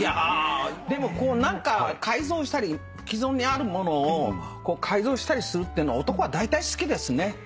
でもこう何か改造したり既存にあるものを改造したりするっていうのは男はだいたい好きですね。